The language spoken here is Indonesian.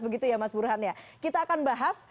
begitu ya mas burhan ya kita akan bahas